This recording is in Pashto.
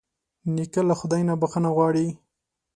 نیکه له خدای نه بښنه غواړي.